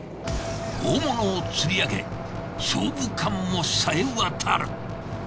大物を釣り上げ勝負勘も冴えわたる。